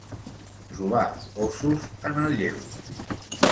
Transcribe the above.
Trobar ossos en el lleu.